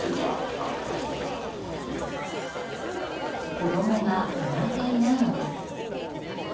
子供が生まれていないのです。